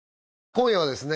今夜はですね